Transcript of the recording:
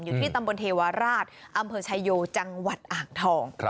อยู่ที่ตำบลเทวาราชอำเภอชายโยจังหวัดอ่างทอง